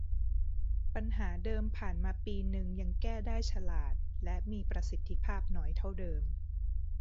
ปัญหาเดิมผ่านมาปีนึงยังแก้ได้ฉลาดและมีประสิทธิภาพน้อยเท่าเดิม